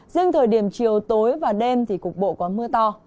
riêng thời điểm chiều tối và đêm thì cục bộ có mưa to